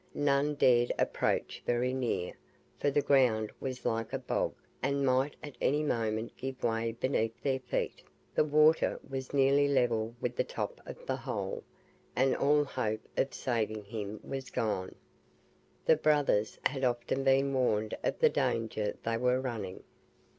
None dared approach very near, for the ground was like a bog, and might at any moment give way beneath their feet; the water was nearly level with the top of the hole, and all hope of saving him was gone. The brothers had often been warned of the danger they were running.